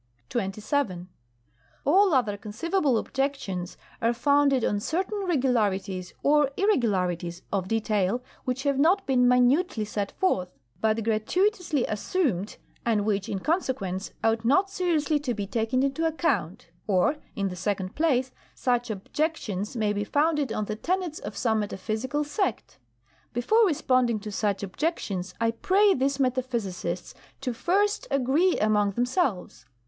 XX VII. All other conceivable objections are founded on certain regularities or irregularities of detail which have not been minutely set forth, but gra tuitously assumed, and which, in consequence, ought not seriously to be taken into account. Or, in the second place, such objections may be founded on the tenets of some metaphysical sect. Before responding to such objections I pray these metaphysicists to first agree among them selves.